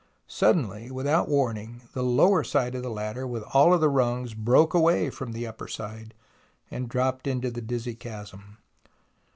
Suddenly, without warning, the lower side of the ladder with all the rungs broke away from the upper side and dropped into the dizzy chasm.